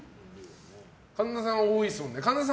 神田さんは多いですもんね。